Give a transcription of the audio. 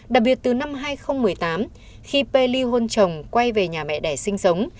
đặc biệt từ năm hai nghìn một mươi tám khi pely hôn chồng quay về nhà mẹ đẻ sinh sống